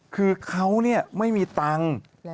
คือเขาไม่มีตังค์